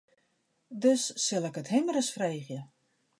Dus sil ik it him ris freegje.